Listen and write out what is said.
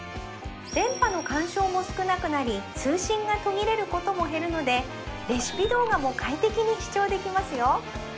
電波の干渉も少なくなり通信が途切れることも減るのでレシピ動画も快適に視聴できますよ